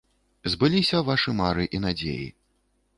Збыліся вашы мары і надзеі.